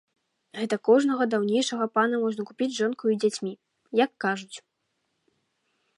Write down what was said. Гэты кожнага даўнейшага пана можа купіць з жонкаю і дзецьмі, як кажуць.